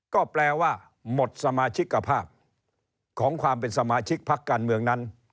ก็แปลว่าหมดสมาชิกภาพของความเป็นสมาชิกพักการเมืองนั้น